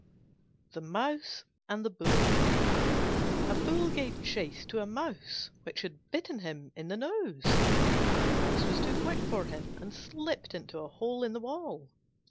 THE MOUSE AND THE BULL A Bull gave chase to a Mouse which had bitten him in the nose: but the Mouse was too quick for him and slipped into a hole in a wall.